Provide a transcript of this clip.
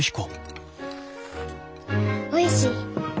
おいしい。